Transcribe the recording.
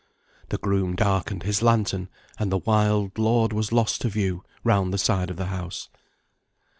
The groom darkened his lantern; and the wild lord was lost to view, round the side of the house.